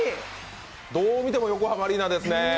どう見ても、横浜アリーナですね。